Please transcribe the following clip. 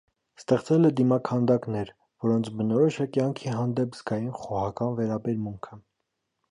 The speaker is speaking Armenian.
Ստեղծել է դիմաքանդակներ, որոնց բնորոշ է կյանքի հանդեպ զգայուն խոհական վերաբերմունքը։